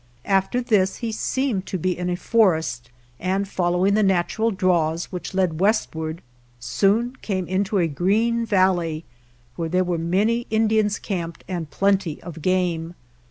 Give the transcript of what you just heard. After this he seemed to be in a forest, and following the natural draws, which led westward, soon came into a green valley where there were many Indians camped and plenty of game.